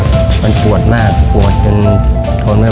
เคยยืมเข้าใจ